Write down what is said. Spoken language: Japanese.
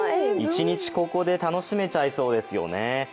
一日ここで楽しめちゃいそうですよね。